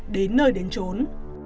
đến nơi đến trốn